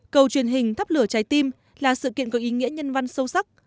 cầu truyền hình thắp lửa trái tim là sự kiện có ý nghĩa nhân văn sâu sắc